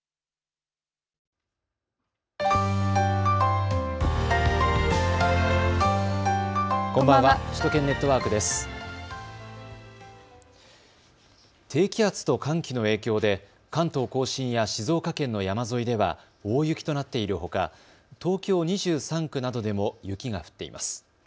低気圧と寒気の影響で関東甲信や静岡県の山沿いでは大雪となっているほか東京２３区などでも雪が降っています。